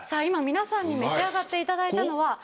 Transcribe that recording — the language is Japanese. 今皆さんに召し上がっていただいたのは。